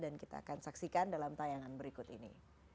dan kita akan saksikan dalam tayangan berikut ini